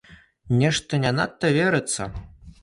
Нешта не надта верыцца.